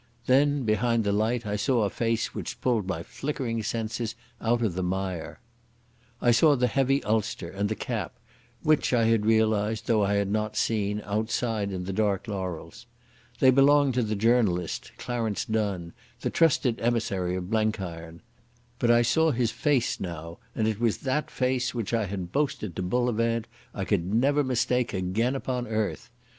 Then behind the light I saw a face which pulled my flickering senses out of the mire. I saw the heavy ulster and the cap, which I had realised, though I had not seen, outside in the dark laurels. They belonged to the journalist, Clarence Donne, the trusted emissary of Blenkiron. But I saw his face now, and it was that face which I had boasted to Bullivant I could never mistake again upon earth.